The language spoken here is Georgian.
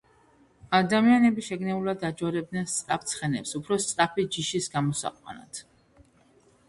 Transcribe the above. ადამიანები შეგნებულად აჯვარებდნენ სწრაფ ცხენებს უფრო სწრაფი ჯიშის გამოსაყვანად.